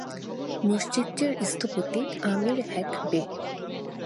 মসজিদটির স্থপতি আমির হ্যাক বে।